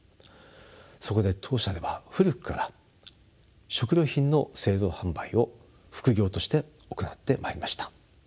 そこで当社では古くから食料品の製造販売を副業として行ってまいりました。